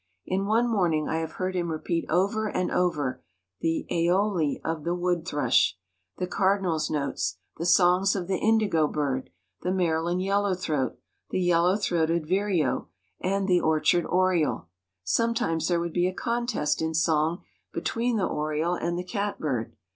In one morning I have heard him repeat over and over the aoli of the wood thrush, the cardinal's notes, the songs of the indigo bird, the Maryland yellow throat, the yellow throated vireo, and the orchard oriole. Sometimes there would be a contest in song between the oriole and the catbird.